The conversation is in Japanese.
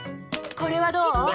これはどう？